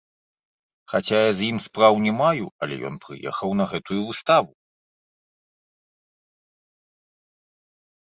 Хаця я з ім спраў не маю, але ён прыехаў на гэтую выставу.